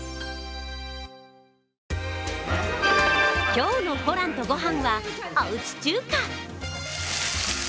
今日の「ホランとごはん」は、おうち中華。